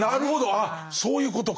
あっそういうことか。